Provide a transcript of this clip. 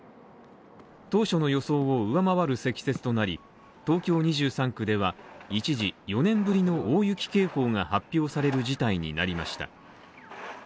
当初の予想を上回る積雪となり、東京２３区では一時、４年ぶりの大雪警報が発表される事態になりました。